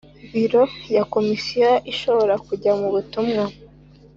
Biro ya Komisiyo ishobora kujya mu butumwa